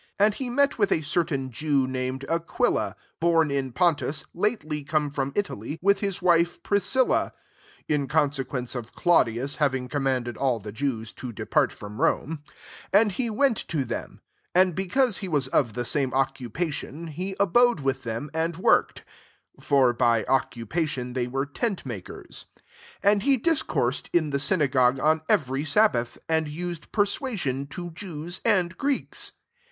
2 And he met with a certain Jew, named Aquila, bom in Pontus, lately come from Italy, with his wife Priscilla, (in con sequence of Claudius having commanded all the Jews to de« part from Rome,) and he went to them : 3 and because he was of the same occupation, he abode with them, and worked : [for by occupation, they were tent makers.*] 4 And he dis coursed in the synagogue on every sabbath; and used persua sion to Jews and Greeks.